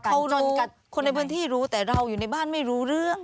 เขานอนกัดคนในพื้นที่รู้แต่เราอยู่ในบ้านไม่รู้เรื่อง